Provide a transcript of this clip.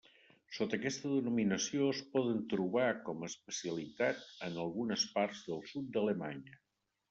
Sota aquesta denominació es poden trobar com a especialitat en algunes parts del sud d'Alemanya.